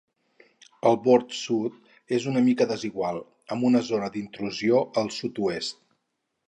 El bord sud és una mica desigual, amb una zona d'intrusió al sud-oest.